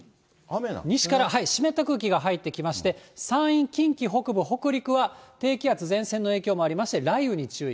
西から湿った空気が入ってきまして、山陰、近畿北部、北陸は低気圧、前線の影響もありまして、雷雨に注意。